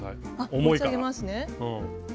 持ち上げますね。